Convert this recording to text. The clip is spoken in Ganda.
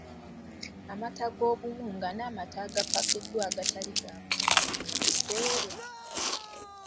Amata g'obuwunga n'amata agapakiddwa agatali ga buwunga bya buseere.